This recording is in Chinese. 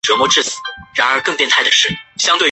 斯绍尔巴克。